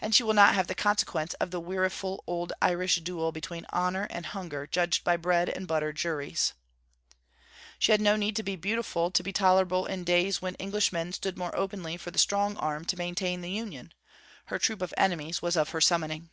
And she will not have the consequences of the 'weariful old Irish duel between Honour and Hunger judged by bread and butter juries.' She had need to be beautiful to be tolerable in days when Englishmen stood more openly for the strong arm to maintain the Union. Her troop of enemies was of her summoning.